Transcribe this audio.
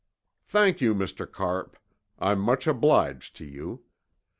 "Thank you, Mr. Carpe. I'm much obliged to you.